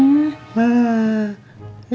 wah itu baru bener